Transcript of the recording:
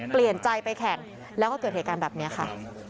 เปลี่ยนใจไปแข่งแล้วก็เกิดเหตุการณ์แบบนี้ค่ะ